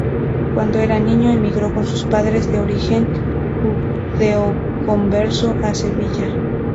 Cuando era niño emigró con sus padres de origen judeoconverso a Sevilla.